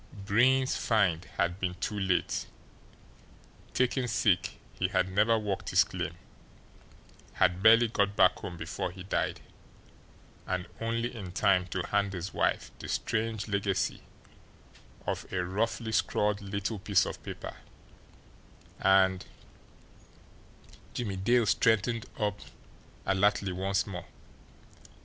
Breen's "find" had been too late; taken sick, he had never worked his claim, had barely got back home before he died, and only in time to hand his wife the strange legacy of a roughly scrawled little piece of paper, and Jimmie Dale straightened up alertly once more.